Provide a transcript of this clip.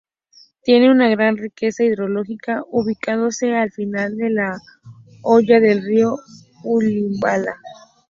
Tiene una gran riqueza hidrológica, ubicándose al final de la hoya del río Guayllabamba.